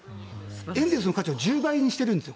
エンゼルスの価値を１０倍にしてるんです。